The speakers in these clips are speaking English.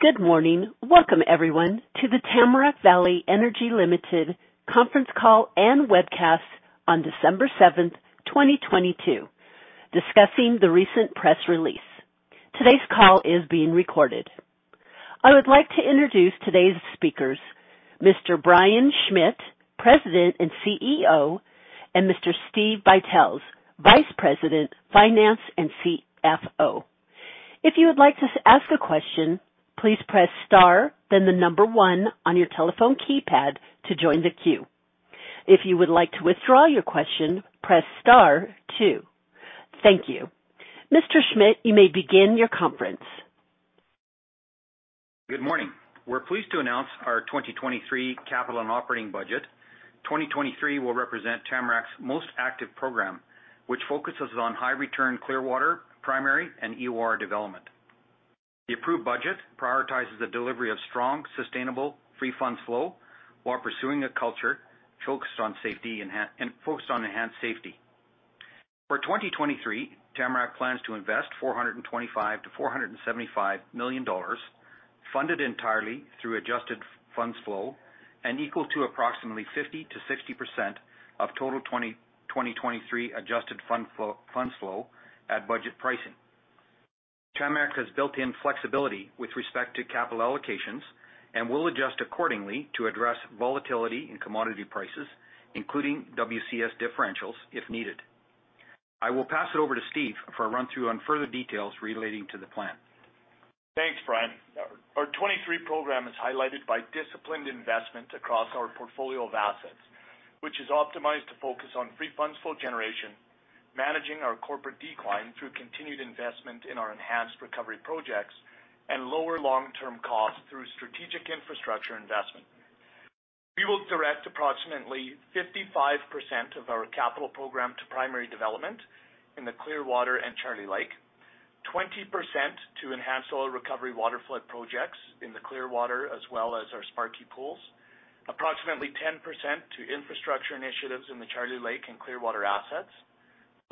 Good morning. Welcome everyone to the Tamarack Valley Energy Ltd. conference call and webcast on December 7th, 2022, discussing the recent press release. Today's call is being recorded. I would like to introduce today's speakers, Mr. Brian Schmidt, President and CEO, and Mr. Steve Buytels, Vice President, Finance and CFO. If you would like to ask a question, please press star then the number one on your telephone keypad to join the queue. If you would like to withdraw your question, press star two. Thank you. Mr. Schmidt, you may begin your conference. Good morning. We're pleased to announce our 2023 capital and operating budget. 2023 will represent Tamarack's most active program, which focuses on high return Clearwater, Primary, and EOR development. The approved budget prioritizes the delivery of strong, sustainable, free funds flow while pursuing a culture focused on safety and focused on enhanced safety. For 2023, Tamarack plans to invest 425 million-475 million dollars, funded entirely through adjusted funds flow and equal to approximately 50%-60% of total 2023 adjusted funds flow at budget pricing. Tamarack has built-in flexibility with respect to capital allocations and will adjust accordingly to address volatility in commodity prices, including WCS differentials if needed. I will pass it over to Steve for a run-through on further details relating to the plan. Thanks, Brian. Our 23 program is highlighted by disciplined investment across our portfolio of assets, which is optimized to focus on free funds flow generation, managing our corporate decline through continued investment in our enhanced recovery projects, and lower long-term costs through strategic infrastructure investment. We will direct approximately 55% of our capital program to primary development in the Clearwater and Charlie Lake, 20% to enhanced oil recovery waterflood projects in the Clearwater as well as our Sparky pools, approximately 10% to infrastructure initiatives in the Charlie Lake and Clearwater assets,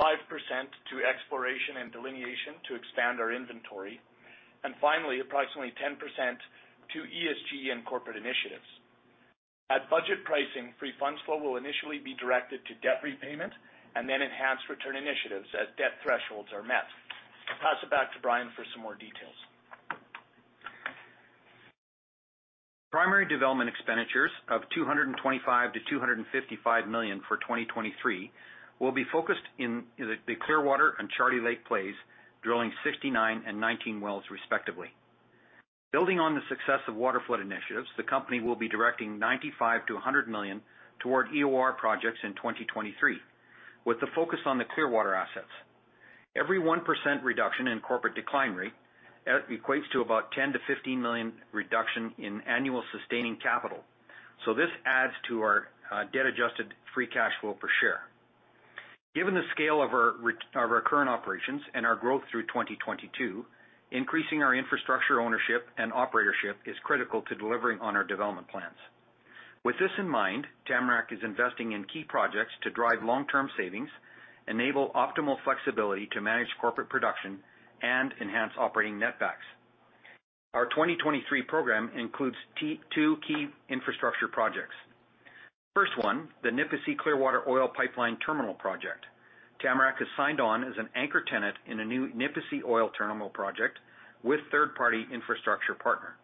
5% to exploration and delineation to expand our inventory, and finally, approximately 10% to ESG and corporate initiatives. At budget pricing, free funds flow will initially be directed to debt repayment and then enhanced return initiatives as debt thresholds are met. Pass it back to Brian for some more details. Primary development expenditures of 225 million-255 million for 2023 will be focused in the Clearwater and Charlie Lake plays, drilling 69 and 19 wells respectively. Building on the success of waterflood initiatives, the company will be directing 95 million-100 million toward EOR projects in 2023, with the focus on the Clearwater assets. Every 1% reduction in corporate decline rate equates to about 10 million-15 million reduction in annual sustaining capital. This adds to our debt-adjusted free cash flow per share. Given the scale of our recurrent operations and our growth through 2022, increasing our infrastructure ownership and operatorship is critical to delivering on our development plans. With this in mind, Tamarack is investing in key projects to drive long-term savings, enable optimal flexibility to manage corporate production, and enhance operating netbacks. Our 2023 program includes two key infrastructure projects. First one, the Nipisi Clearwater Oil Pipeline Terminal Project. Tamarack has signed on as an anchor tenant in a new Nipisi Oil Terminal Project with third-party infrastructure partner.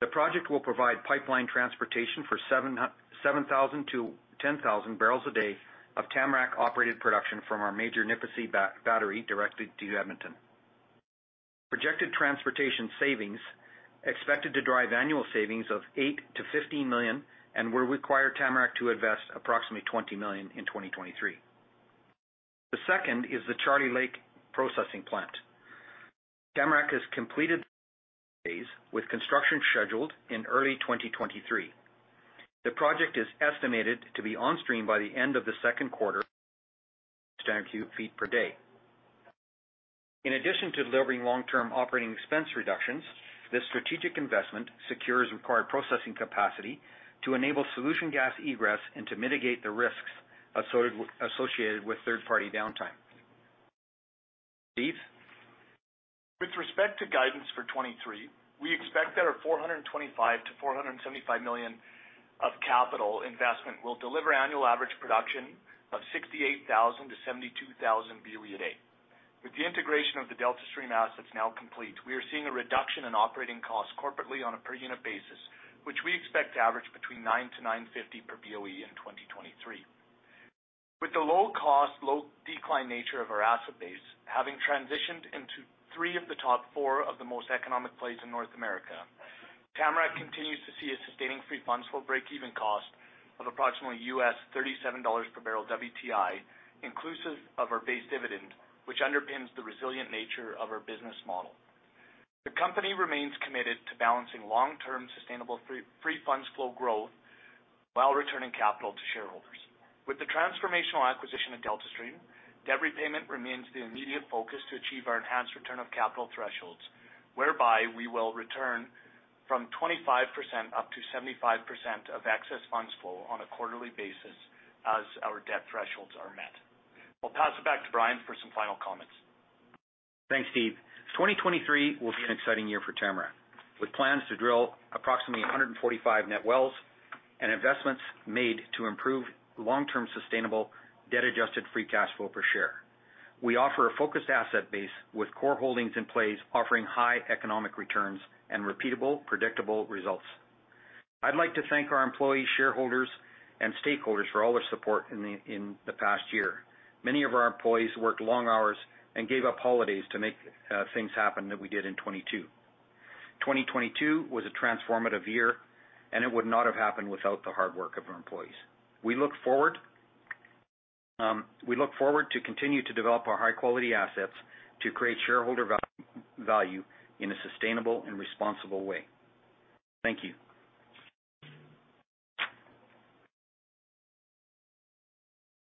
The project will provide pipeline transportation for 7,000 to 10,000 barrels a day of Tamarack-operated production from our major Nipisi battery directly to Edmonton. Projected transportation savings expected to drive annual savings of 8 million-15 million and will require Tamarack to invest approximately 20 million in 2023. The second is the Charlie Lake Processing Plant. Tamarack has completed phase with construction scheduled in early 2023. The project is estimated to be on stream by the end of the second quarter, standard cube feet per day. In addition to delivering long-term operating expense reductions, this strategic investment secures required processing capacity to enable solution gas egress and to mitigate the risks associated with third-party downtime. Steve? With respect to guidance for 2023, we expect that our 425 million-475 million of capital investment will deliver annual average production of 68,000-72,000 BOE a day. With the integration of the Deltastream assets now complete, we are seeing a reduction in operating costs corporately on a per unit basis, which we expect to average between 9.00-9.50 per BOE in 2023. With the low cost, low decline nature of our asset base, having transitioned into three of the top four of the most economic plays in North America, Tamarack continues to see a sustaining free funds flow break-even cost of approximately US $37 per barrel WTI, inclusive of our base dividend, which underpins the resilient nature of our business model. The company remains committed to balancing long-term sustainable free funds flow growth while returning capital to shareholders. With the transformational acquisition of Deltastream, debt repayment remains the immediate focus to achieve our enhanced return of capital thresholds. Whereby we will return from 25% up to 75% of excess funds flow on a quarterly basis as our debt thresholds are met. I'll pass it back to Brian for some final comments. Thanks, Steve. 2023 will be an exciting year for Tamarack, with plans to drill approximately 145 net wells and investments made to improve long-term sustainable debt-adjusted free cash flow per share. We offer a focused asset base with core holdings in place offering high economic returns and repeatable, predictable results. I'd like to thank our employees, shareholders, and stakeholders for all their support in the past year. Many of our employees worked long hours and gave up holidays to make things happen than we did in 2022. 2022 was a transformative year, and it would not have happened without the hard work of our employees. We look forward to continue to develop our high-quality assets to create shareholder value in a sustainable and responsible way. Thank you.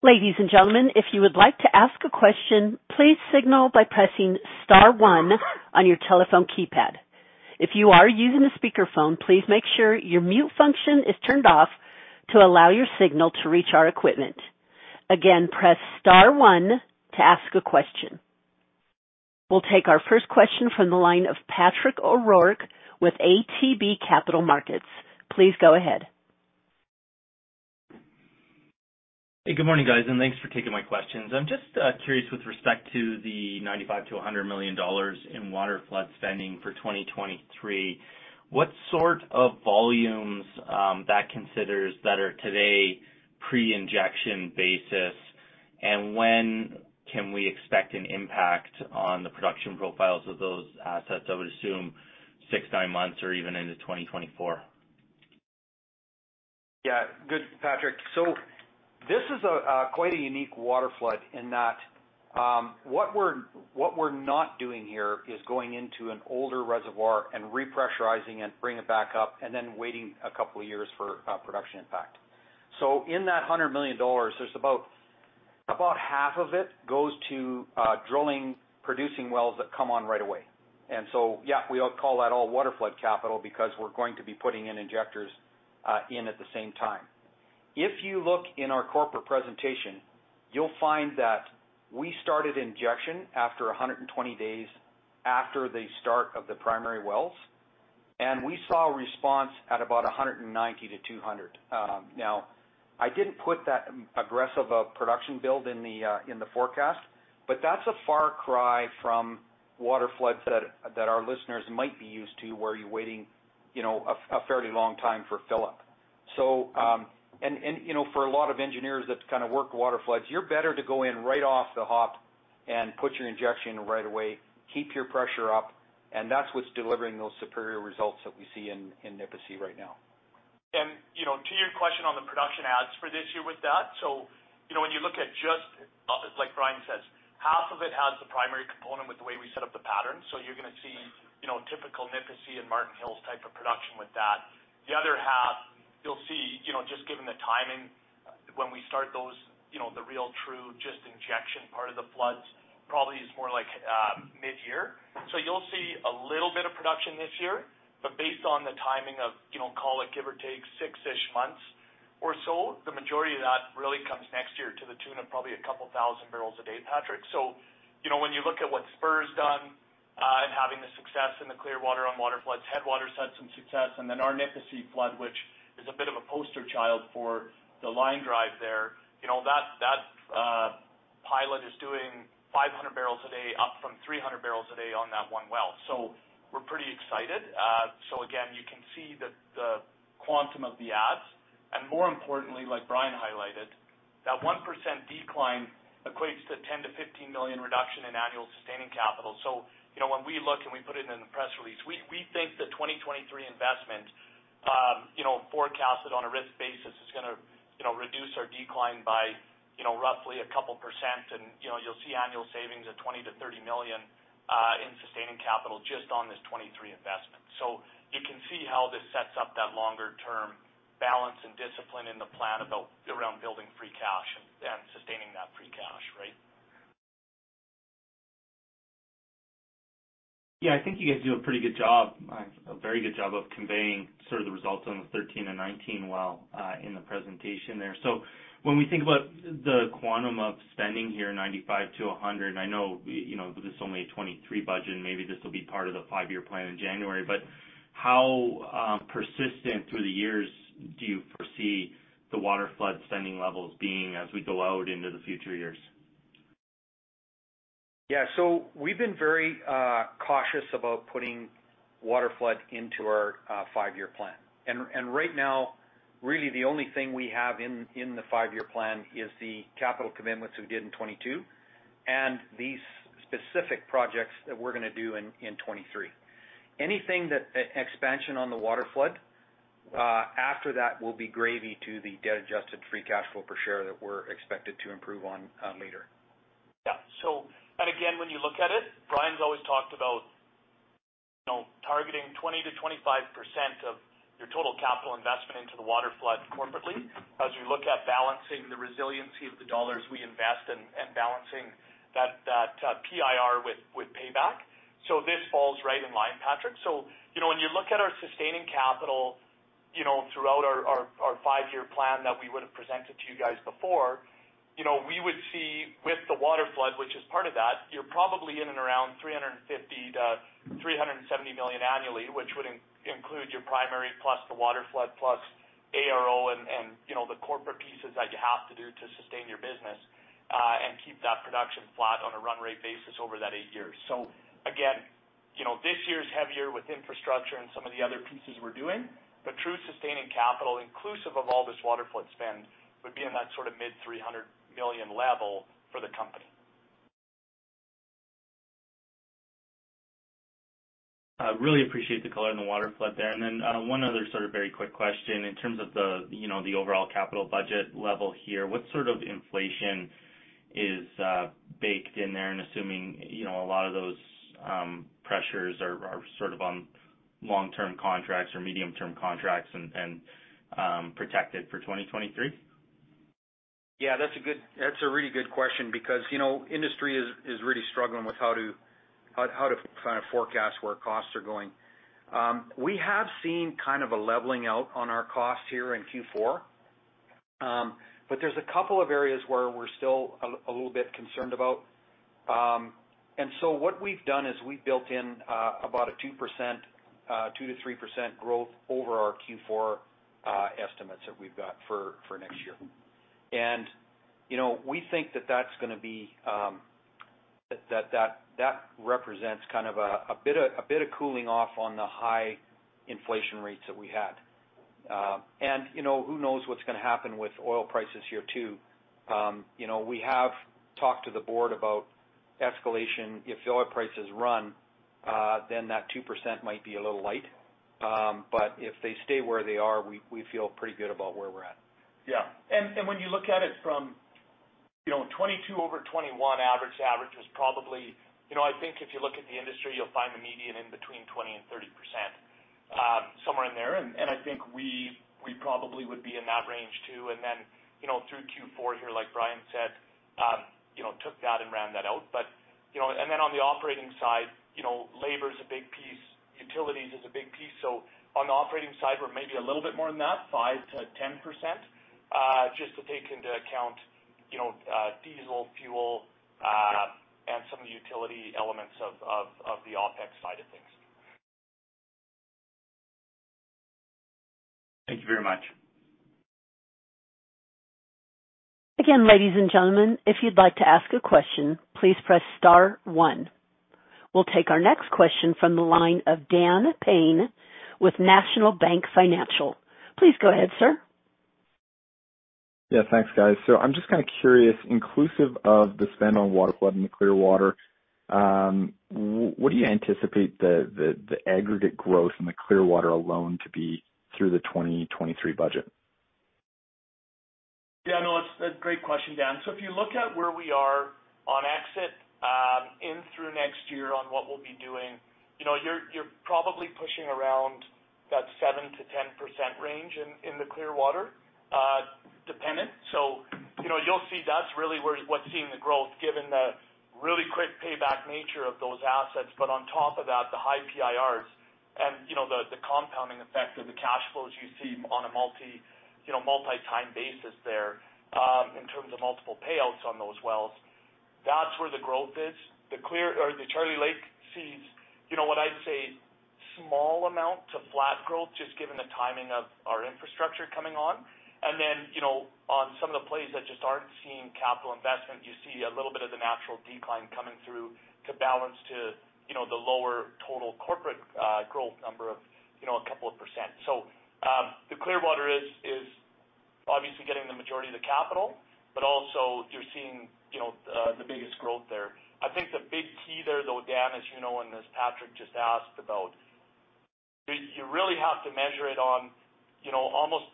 Ladies and gentlemen, if you would like to ask a question, please signal by pressing star one on your telephone keypad. If you are using a speakerphone, please make sure your mute function is turned off to allow your signal to reach our equipment. Again, press star one to ask a question. We'll take our first question from the line of Patrick O'Rourke with ATB Capital Markets. Please go ahead. Hey, good morning, guys, and thanks for taking my questions. I'm just curious with respect to the 95 million-100 million dollars in waterflood spending for 2023. What sort of volumes that considers that are today pre-injection basis? When can we expect an impact on the production profiles of those assets? I would assume six, nine months or even into 2024. Good, Patrick. This is quite a unique waterflood in that what we're not doing here is going into an older reservoir and repressurizing it, bring it back up, and then waiting a couple of years for production impact. In that 100 million dollars, there's about half of it goes to drilling, producing wells that come on right away. We all call that all waterflood capital because we're going to be putting in injectors in at the same time. If you look in our corporate presentation, you'll find that we started injection after 120 days after the start of the primary wells, and we saw a response at about 190-200. Now, I didn't put that aggressive of production build in the forecast, but that's a far cry from waterfloods that our listeners might be used to, where you're waiting, you know, a fairly long time for fill-up. You know, for a lot of engineers that kind of work waterfloods, you're better to go in right off the hop and put your injection right away, keep your pressure up, and that's what's delivering those superior results that we see in Nipisi right now. You know, to your question on the production ads for this year with that, you know, when you look at it's like Brian says, half of it has the primary component with the way we set up the pattern. You're gonna see, you know, typical Nipisi and Martin Hills type of production with that. The other half, you'll see, you know, just given the timing, when we start those, you know, the real true just injection part of the floods probably is more like midyear. You'll see a little bit of production this year, but based on the timing of, you know, call it, give or take 6-ish months or so, the majority of that really comes next year to the tune of probably 2,000 barrels a day, Patrick. you know, when you look at what Spur's done, in having the success in the Clearwater on waterfloods, Headwater's had some success, and then our Nipisi flood, which is a bit of a poster child for the line drive there. You know, that pilot is doing 500 barrels a day up from 300 barrels a day on that one well. We're pretty excited. Again, you can see the quantum of the adds. More importantly, like Brian highlighted, that 1% decline equates to 10 million-15 million reduction in annual sustaining capital. you know, when we look and we put it in the press release, we think the 2023 investment, you know, forecasted on a risk basis is gonna, you know, reduce our decline by, you know, roughly a couple percent. You know, you'll see annual savings of 20 million-30 million in sustaining capital just on this 2023 investment. You can see how this sets up that longer-term balance and discipline in the plan around building free cash and sustaining that free cash, right? I think you guys do a pretty good job, a very good job of conveying sort of the results on the 13 and 19 well in the presentation there. When we think about the quantum of spending here, 95-100, and I know, you know, this is only a 2023 budget, and maybe this will be part of the five-year plan in January. How persistent through the years do you foresee the waterflood spending levels being as we go out into the future years? We've been very cautious about putting waterflood into our five-year plan. Right now, really the only thing we have in the five-year plan is the capital commitments we did in 2022 and these specific projects that we're gonna do in 2023. Anything that expansion on the waterflood after that will be gravy to the debt-adjusted free cash flow per share that we're expected to improve on later. Again, when you look at it, Brian's always talked about, you know, targeting 20% to 25% of your total capital investment into the waterflood corporately as we look at balancing the resiliency of the dollars we invest and balancing that PIR with payback. This falls right in line, Patrick. you know, when you look at our sustaining capital, you know, throughout our five-year plan that we would have presented to you guys before, you know, we would see with the waterflood, which is part of that, you're probably in and around 350 million-370 million annually, which would include your primary plus the waterflood plus ARO and, you know, the corporate pieces that you have to do to sustain your business and keep that production flat on a run rate basis over that eight years. Again, you know, this year is heavier with infrastructure and some of the other pieces we're doing, but true sustaining capital, inclusive of all this waterflood spend, would be in that sort of mid-CAD 300 million level for the company. I really appreciate the color in the waterflood there. One other sort of very quick question in terms of the, you know, the overall capital budget level here. What sort of inflation is baked in there and assuming, you know, a lot of those, pressures are sort of on long-term contracts or medium-term contracts and protected for 2023? Yeah, that's a really good question because, you know, industry is really struggling with how to kind of forecast where costs are going. We have seen kind of a leveling out on our cost here in Q4. There's a couple of areas where we're still a little bit concerned about. What we've done is we've built in about a 2%, 2%-3% growth over our Q4 estimates that we've got for next year. You know, we think that that's gonna be that represents kind of a bit of cooling off on the high inflation rates that we had. You know, who knows what's gonna happen with oil prices here too. You know, we have talked to the board about escalation. If oil prices run, then that 2% might be a little light. If they stay where they are, we feel pretty good about where we're at. Yeah. When you look at it from, you know, 2022 over 2021 average is probably. You know, I think if you look at the industry, you'll find the median in between 20% and 30% somewhere in there. I think we probably would be in that range too. You know, through Q4 here, like Brian said, you know, took that and ran that out. You know, on the operating side, you know, labor is a big piece, utilities is a big piece. On the operating side, we're maybe a little bit more than that, 5%-10%, just to take into account, you know, diesel, fuel, and some of the utility elements of the OpEx side of things. Thank you very much. Ladies and gentlemen, if you'd like to ask a question, please press star one. We'll take our next question from the line of Dan Payne with National Bank Financial. Please go ahead, sir. Yeah, thanks, guys. I'm just kinda curious, inclusive of the spend on waterflood in the Clearwater, what do you anticipate the aggregate growth in the Clearwater alone to be through the 2023 budget? Yeah, no, it's a great question, Dan. If you look at where we are on exit, in through next year on what we'll be doing, you know, you're probably pushing around that 7%-10% range in the Clearwater, dependent. You know, you'll see that's really what's seeing the growth, given the really quick payback nature of those assets. On top of that, the high PIRs and, you know, the compounding effect of the cash flows you see on a multi-time basis there, in terms of multiple payouts on those wells. That's where the growth is. The Charlie Lake sees, you know, what I'd say, small amount to flat growth, just given the timing of our infrastructure coming on. You know, on some of the plays that just aren't seeing capital investment, you see a little bit of the natural decline coming through to balance to, you know, the lower total corporate growth number of, you know, a couple of percent. The Clearwater is obviously getting the majority of the capital, but also you're seeing, you know, the biggest growth there. I think the big key there, though, Dan, as you know, and as Patrick just asked about, you really have to measure it on, you know, almost,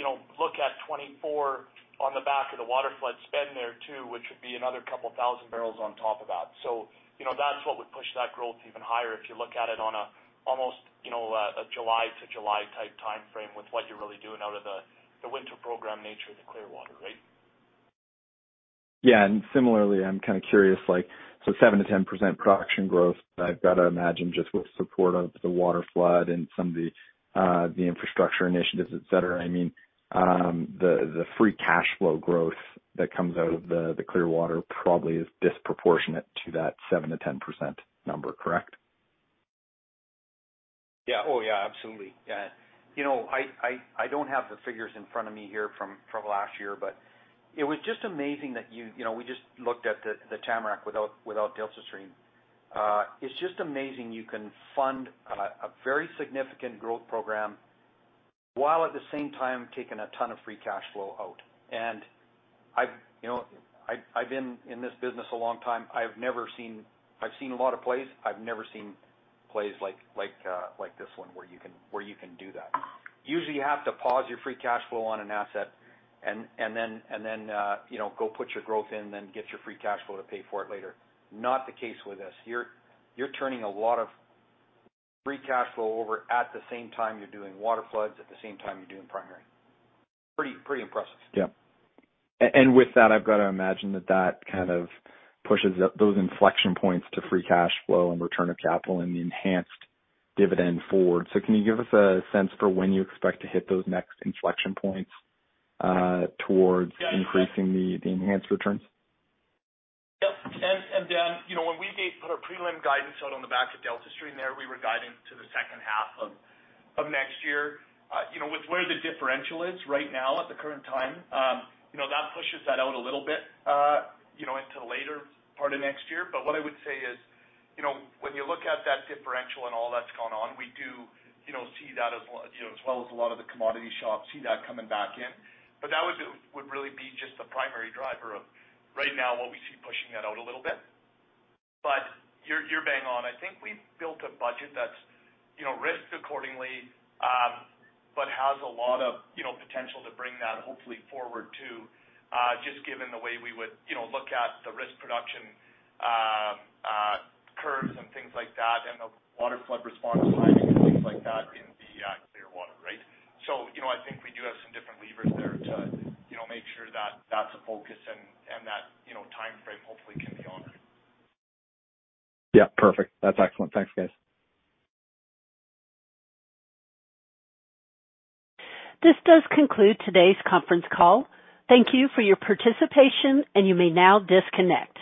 you know, look at 2024 on the back of the waterflood spend there too, which would be another couple of 1,000 barrels on top of that. You know, that's what would push that growth even higher if you look at it on a almost, you know, a July to July type timeframe with what you're really doing out of the winter program nature of the Clearwater, right? Yeah. Similarly, I'm kinda curious, like, 7%-10% production growth, I've gotta imagine just with support of the waterflood and some of the infrastructure initiatives, et cetera, I mean, the free cash flow growth that comes out of the Clearwater probably is disproportionate to that 7%-10% number, correct? Yeah. Oh, yeah, absolutely. Yeah. You know, I don't have the figures in front of me here from last year, but it was just amazing that you know, we just looked at the Tamarack without Deltastream. It's just amazing you can fund a very significant growth program while at the same time taking a ton of free cash flow out. I've, you know, I've been in this business a long time. I've seen a lot of plays. I've never seen plays like this one where you can, where you can do that. Usually, you have to pause your free cash flow on an asset and then, you know, go put your growth in, then get your free cash flow to pay for it later. Not the case with this. You're turning a lot of free cash flow over at the same time you're doing waterfloods, at the same time you're doing primary. Pretty impressive. Yeah. And with that, I've got to imagine that that kind of pushes up those inflection points to free cash flow and return of capital and the enhanced dividend forward. Can you give us a sense for when you expect to hit those next inflection points, towards increasing the enhanced returns? Yep. Dan, you know, when we put our prelim guidance out on the back of Deltastream there, we were guiding to the second half of next year. You know, with where the differential is right now at the current time, you know, that pushes that out a little bit, you know, into later part of next year. What I would say is, you know, when you look at that differential and all that's going on, we do, you know, see that as, you know, as well as a lot of the commodity shops see that coming back in. That would really be just the primary driver of right now what we see pushing that out a little bit. You're bang on. I think we've built a budget that's, you know, risked accordingly, but has a lot of, you know, potential to bring that hopefully forward too, just given the way we would, you know, look at the risk production, curves and things like that, and the waterflood response timing and things like that in the Clearwater, right? You know, I think we do have some different levers there to, you know, make sure that that's a focus and that, you know, timeframe hopefully can be honored. Yeah. Perfect. That's excellent. Thanks, guys. This does conclude today's conference call. Thank you for your participation, and you may now disconnect.